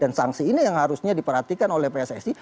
dan sanksi ini yang harusnya diperhatikan oleh pssi